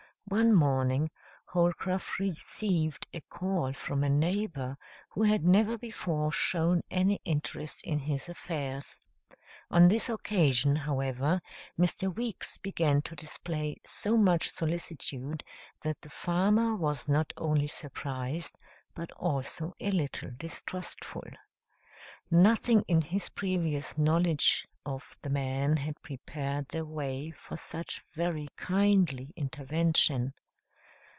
One morning Holcroft received a call from a neighbor who had never before shown any interest in his affairs. On this occasion, however, Mr. Weeks began to display so much solicitude that the farmer was not only surprised, but also a little distrustful. Nothing in his previous knowledge of the man had prepared the way for such very kindly intervention.